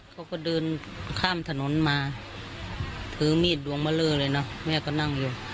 เขาก็เดินข้ามถนนมาถือมีดดวงเลอร์เลยเนอะแม่ก็นั่งอยู่